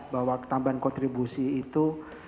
bahwa tambahan kontribusi itu